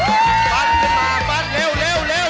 ปั้นขึ้นมาปั้นเร็วเร็วเร็ว